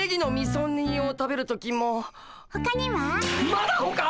まだほか！？